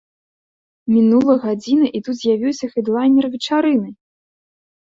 Мінула гадзіна і тут з'явіўся хэдлайнер вечарыны!